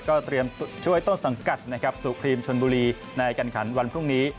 ก็เตรียมช่วยต้นสังกัดสุภิมป์ชนบุรีในการขันวันพรุ่งนี้